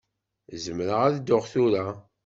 Zemreɣ ad dduɣ tura?